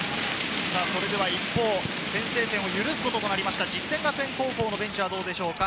一方、先制弾を許すこととなりました実践学園高校のベンチはどうでしょうか。